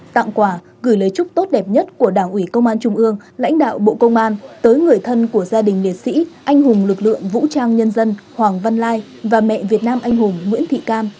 tặng quà gửi lời chúc tốt đẹp nhất của đảng ủy công an trung ương lãnh đạo bộ công an tới người thân của gia đình liệt sĩ anh hùng lực lượng vũ trang nhân dân hoàng văn lai và mẹ việt nam anh hùng nguyễn thị cam